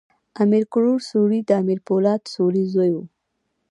امیر کروړ سوري د امیر پولاد سوري زوی ؤ.